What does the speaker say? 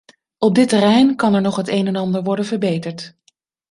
Op dit terrein kan er nog het een en ander worden verbeterd.